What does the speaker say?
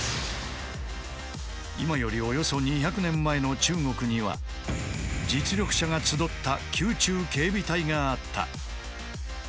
今よりおよそ２００年前の中国には実力者が集った宮中警備隊があった。